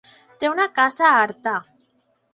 Té una casa a Artà.